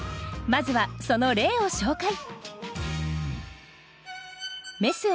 まずはその例を紹介。